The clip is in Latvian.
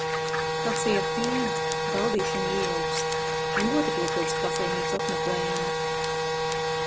Kafija ar pienu. Baudīšana ieilgst. Man ļoti pietrūkst kafejnīcu apmeklējuma.